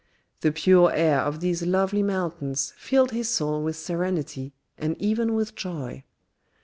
The pure air of these lovely mountains filled his soul with serenity and even with joy.